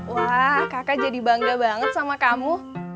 wah kakak jadi bangga banget sama kamu